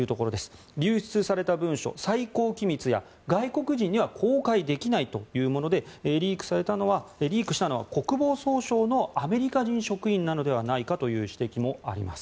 流出された文書は最高機密や外国人には公開できないというものでリークしたのは国防総省のアメリカ人職員なのではないかという指摘もあります。